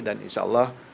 dan insya allah